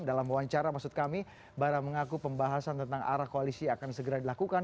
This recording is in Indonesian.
dalam wawancara maksud kami bara mengaku pembahasan tentang arah koalisi akan segera dilakukan